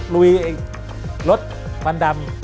รุยรถมันดำ